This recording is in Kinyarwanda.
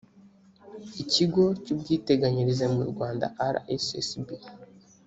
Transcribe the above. ikigo cy’ubwiteganyirize mu rwanda rssb